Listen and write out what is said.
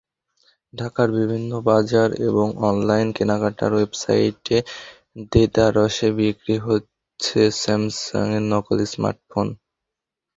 ঢাকার বিভিন্ন বাজার এবং অনলাইন কেনাকাটার ওয়েবসাইটে দেদারসে বিক্রি হচ্ছে স্যামসাংয়ের নকল স্মার্টফোন।